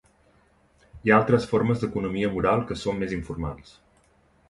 Hi ha altres formes d'economia moral que són més informals.